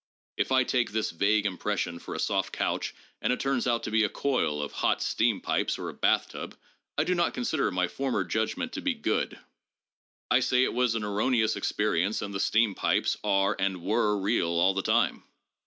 If I take this vague impression for a soft couch and it turns out to be a coil of hot steam pipes or a bathtub, I do not consider my former judgment to be 'good.' I say it was an erroneous experience and the steam pipes are and were real all the time.